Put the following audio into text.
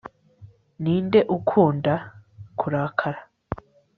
ninde ukunda, kurakara